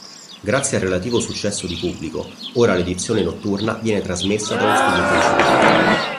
Grazie al relativo successo di pubblico, ora l'edizione notturna viene trasmessa dallo studio principale.